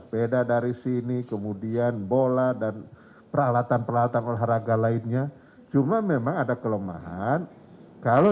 beda dari sini kemudian bola dan peralatan peralatan olahraga lainnya cuma memang ada kelemahan kalau